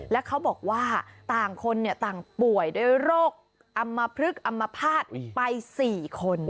และเขาบอกว่าต่างคนต่างป่วยโดยโรคอัมพฤกษ์อัมพาตรไป๔คน